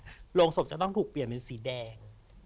โรงศพจะต้องถูกเปลี่ยนเป็นสีแดง